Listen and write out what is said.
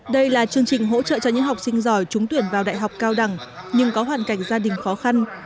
đây là chương trình hỗ trợ cho những học sinh giỏi trúng tuyển vào đại học cao đẳng nhưng có hoàn cảnh gia đình khó khăn